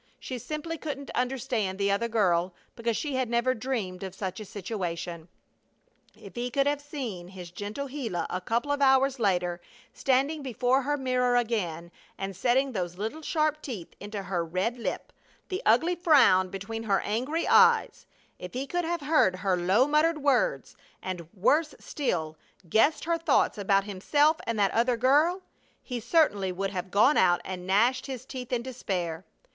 She simply couldn't understand the other girl because she had never dreamed of such a situation. If he could have seen his gentle Gila a couple of hours later, standing before her mirror again and setting those little sharp teeth into her red lip, the ugly frown between her angry eyes; if he could have heard her low muttered words, and, worse still, guessed her thoughts about himself and that other girl he certainly would have gone out and gnashed his teeth in despair.